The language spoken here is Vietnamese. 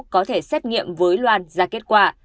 có thể xét nghiệm với loan ra kết quả